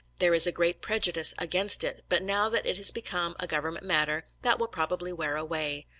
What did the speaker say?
There is a great prejudice against it, but now that it has become a government matter, that will probably wear away.